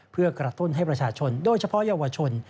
เพื่อกระตุ้นให้ประชาชนโดยเฉพาะเยาวชน